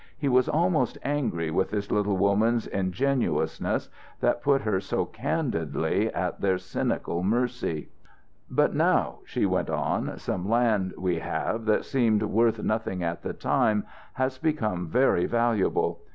He was almost angry with this little woman's ingenuousness that put her so candidly at their cynical mercy. "But now," she went on, "some land we have that seemed worth nothing at the time has become very valuable.